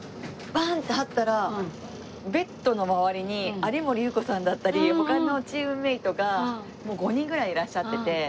バーン！って入ったらベッドの周りに有森裕子さんだったり他のチームメートがもう５人ぐらいいらっしゃってて。